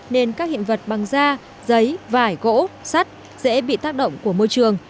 nên các hiện vật bằng da giấy vải gỗ sắt dễ bị tác động của môi trường